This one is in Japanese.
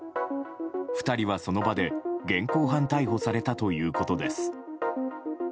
２人はその場で現行犯逮捕されたということです。